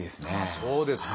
そうですか。